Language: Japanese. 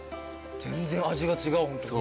全然味が違うホントに。